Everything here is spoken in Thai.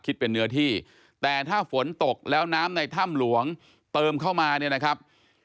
เป็นเนื้อที่แต่ถ้าฝนตกแล้วน้ำในถ้ำหลวงเติมเข้ามาเนี่ยนะครับ